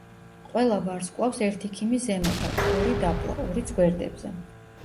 ყველა ვარსკვლავს ერთი ქიმი ზემოთ აქვს, ორი დაბლა, ორიც გვერდებზე.